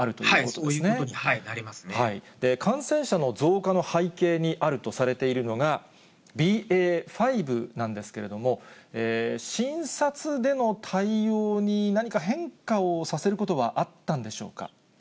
はい、そういうことになりま感染者の増加の背景にあるとされているのが、ＢＡ．５なんですけれども、診察での対応に何か変化をさせることはあったんでしょうか。